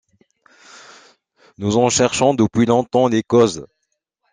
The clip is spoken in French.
Nous en cherchons depuis longtemps les causes.